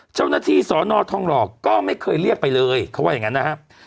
เจ้าหน้าที่สอนอทองหล่อก็ไม่เคยเรียกไปเลยเขาว่าอย่างนั้นนะครับ